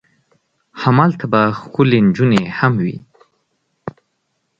همالته به ښکلې نجونې هم وي.